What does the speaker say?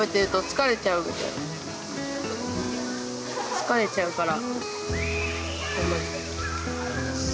疲れちゃうから。